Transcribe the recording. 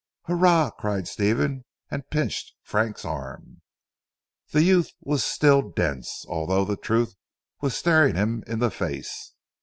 "Hurrah!" cried Stephen and pinched Frank's arm. That youth was still dense, although the truth was staring him in the face.